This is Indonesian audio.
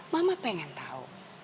mama pengen tahu